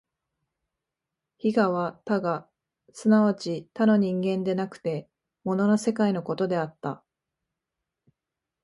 非我は他我即ち他の人間でなくて物の世界のことであった。